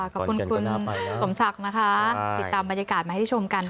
ขอบคุณคุณสมศักดิ์นะคะติดตามบรรยากาศมาให้ได้ชมกัน